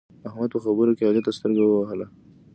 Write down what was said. احمد په خبرو کې علي ته سترګه ووهله.